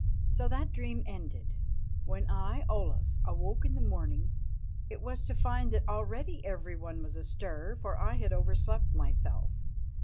So that dream ended. When I, Olaf, awoke in the morning, it was to find that already everyone was astir, for I had overslept myself.